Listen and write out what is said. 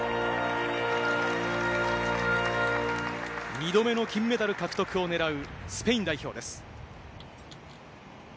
２度目の金メダル獲得をねらうスペイン代表です。